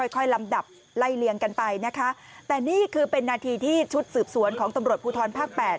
ค่อยลำดับไล่เลี่ยงกันไปนะคะแต่นี่คือเป็นนาทีที่ชุดสืบสวนของตำรวจภูทรภาคแปด